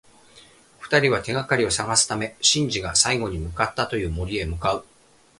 二人は、手がかりを探すためシンジが最後に向かったという森へ向かう。